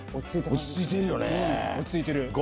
落ち着いてるよね。